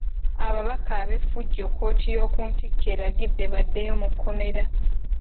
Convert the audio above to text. Ababaka ab'effujjo kkooti y'oku ntikko eragidde baddeyo mu kkomera .